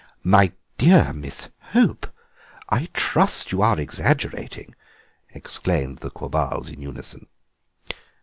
"My dear Miss Hope! I trust you are exaggerating," exclaimed the Quabarls in unison.